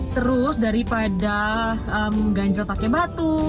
terus daripada ganjel pakai batu